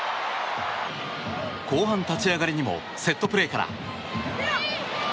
後半、立ち上がりにもセットプレーから。